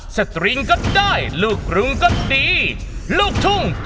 สตริงก็ได้ลูกรุงก็ดีลูกทุ่งก็ด้วน